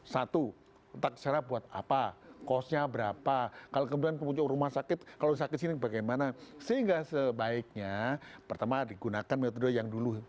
satu entah cara buat apa costnya berapa kalau kemudian rumah sakit kalau sakit sini bagaimana sehingga sebaiknya pertama digunakan metode yang dulu